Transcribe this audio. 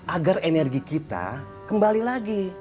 agar energi kita kembali lagi